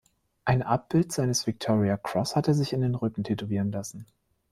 Ein Abbild seines Victoria Cross hat er sich in den Rücken tätowieren lassen.